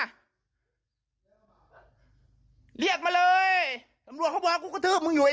เรียกมาเลยราเมตรวังเขาบอกกูก็ถือมึงอยู่ไอ้